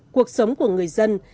cuộc sống của người dân